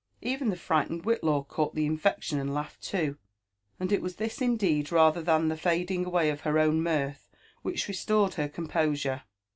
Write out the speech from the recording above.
Even the frightened Whitlaw caught the infection, and laughed too ; and it was this indeed, rather than tho fading away of her own mirth, which restored her composure.